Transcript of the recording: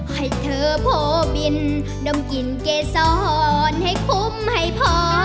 ให้เธอโพบินดมกลิ่นเกษรให้คุ้มให้พอ